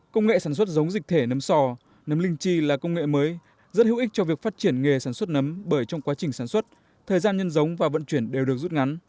công nghệ sản xuất giống dịch thể nấm sò nấm linh chi là công nghệ mới rất hữu ích cho việc phát triển nghề sản xuất nấm bởi trong quá trình sản xuất thời gian nhân giống và vận chuyển đều được rút ngắn